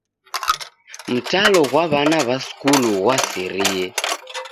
Mtalo ghwa w'ana w'a skulu ghwaserie.